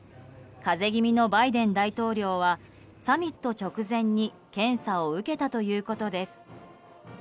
風邪気味のバイデン大統領はサミット直前に検査を受けたということです。